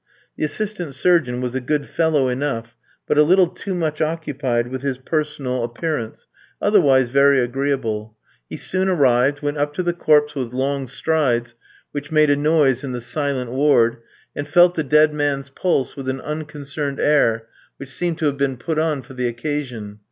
The assistant surgeon was a good fellow enough, but a little too much occupied with his personal appearance, otherwise very agreeable; he soon arrived, went up to the corpse with long strides which made a noise in the silent ward, and felt the dead man's pulse with an unconcerned air which seemed to have been put on for the occasion.